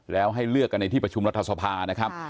แล้วให้เลือกกันในที่ประชุมรัฐสภานะครับ